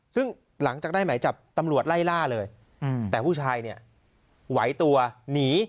ซึ่งหลังจากได้หมายจับตำรวจไล่ล่าเลยแต่ผู้ชายเนี่ยไหวตัวหนี